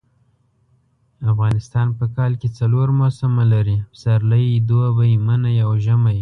افغانستان په کال کي څلور موسمه لري . پسرلی دوبی منی او ژمی